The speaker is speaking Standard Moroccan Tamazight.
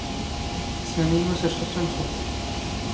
ⵙⴰⵎⵉ ⵢⵓⵙⵔ ⵙ ⵓⵙⵓⵏⴼⵓ.